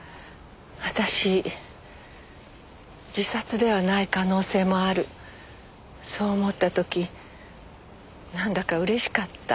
私自殺ではない可能性もあるそう思った時なんだかうれしかった。